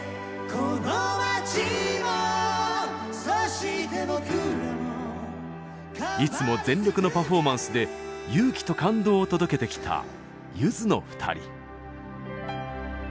この街もそして僕らも」いつも全力のパフォーマンスで、勇気と感動を届けてきたゆずの２人。